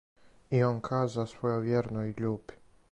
И он каза својој вјерној љуби: